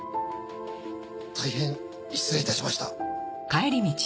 大変失礼いたしました。